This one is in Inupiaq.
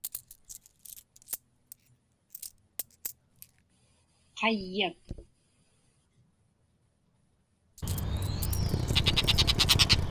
qayyak